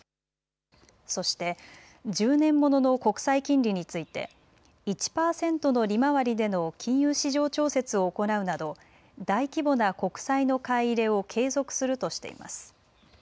そして、１０年ものの国債金利について１％の利回りでの金融市場調節を行うなど大規模な国債の買い入れを継続するとしています。